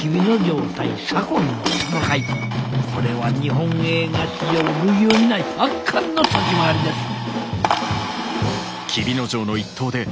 これは日本映画史上類を見ない圧巻の立ち回りです」。